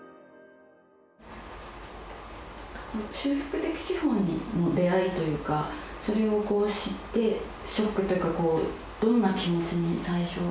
修復的司法の出会いというかそれを知ってショックというかどんな気持ちに最初。